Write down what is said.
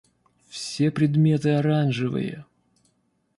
Все предметы оранжевые.